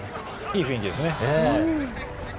いい雰囲気ですね。